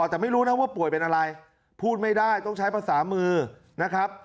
แต่ไม่รู้นะว่าป่วยเป็นอะไรพูดไม่ได้ต้องใช้ภาษามือนะครับ